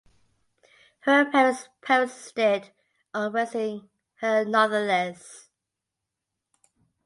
Her parents persisted on raising her nonetheless.